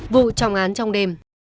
vụ trọng án trong đêm